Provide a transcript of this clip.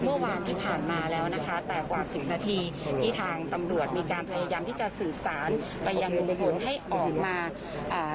เมื่อวานที่ผ่านมาแล้วนะคะแต่กว่าสิบนาทีที่ทางตำรวจมีการพยายามที่จะสื่อสารไปยังลุงพลให้ออกมาอ่า